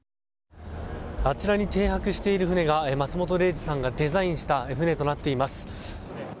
あちらに停泊している船が松本零士さんがデザインした船となっています。